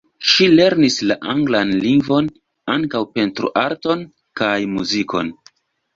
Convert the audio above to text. Ŝi lernis la anglan lingvon, ankaŭ pentroarton kaj muzikon.